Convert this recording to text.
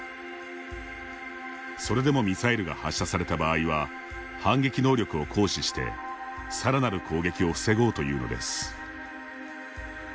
それでもミサイルが発射された場合は反撃能力を行使して、さらなる攻撃を防ごうというのです。